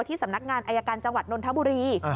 สำนักงานอายการจังหวัดนนทบุรี